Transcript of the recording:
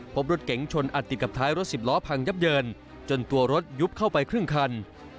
พบรถเก๋งชนอัดติดกับท้ายรถสิบล้อพังยับเยินจนตัวรถยุบเข้าไปครึ่งคัน